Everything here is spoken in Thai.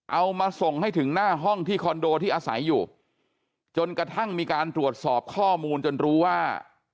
เอามาส่งให้ถึงหน้าห้องที่คอนโดที่อาศัยอยู่จนกระทั่งมีการตรวจสอบข้อมูลจนรู้ว่า